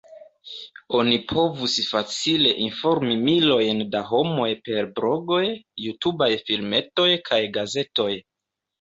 Oni povus facile informi milojn da homoj per blogoj, jutubaj filmetoj kaj gazetoj.